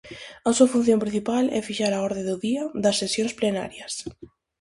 A súa función principal é fixar a orde do día das sesións plenarias.